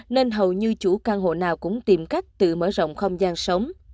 nên hầu như chủ căn hộ nào cũng tìm cách tự mở rộng không gian sống